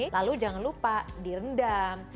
lalu jangan lupa direndam